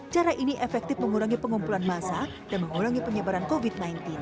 cara ini efektif mengurangi pengumpulan massa dan mengurangi penyebaran covid sembilan belas